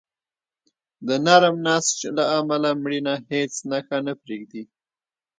د نرم نسج له امله مړینه هیڅ نښه نه پرېږدي.